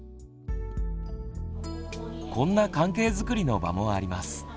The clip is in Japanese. こんな関係づくりの場もあります。